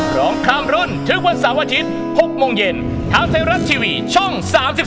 พร้อมความร่วมถึงวัน๓วันอาทิตย์๖โมงเย็นท้าวไทยรัฐทีวีช่อง๓๒